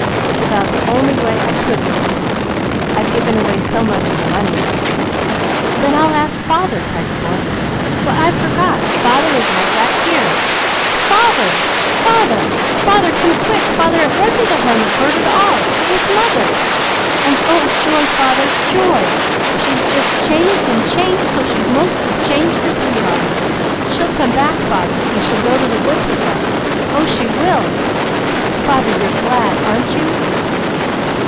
"It's about the only way I could live now, I've given away so much of the money." "Then I'll ask father!" cried the boy. "Why I forgot! Father is right back here! Father! Father! Father come quick! Father it wasn't the Hermit bird at all, it was mother! And oh joy, father, joy! She's just changed and changed, till she's most as changed as we are! She'll come back, father, and she'll go to the woods with us, oh she will! Father, you're glad, aren't you?"